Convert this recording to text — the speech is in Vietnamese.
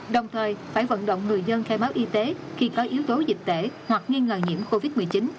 đồng thời phải vận động người dân khai báo y tế khi có yếu tố dịch tễ hoặc nghi ngờ nhiễm covid một mươi chín